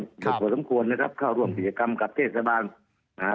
ก็ถูกบอกสมควรนะครับเข้าร่วมบิจกรรมกับเมืองประเทศส่อมอนธรรม